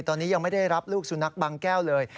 ตอนนี้ยังไม่ได้รับลูกสุนัขบางแก้วเลย